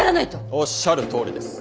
おっしゃるとおりです。